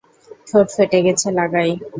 ঠোঁট ফেটে গেছে লাগাই।